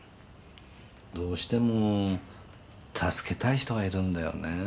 どうしても助けたい人がいるんだよね。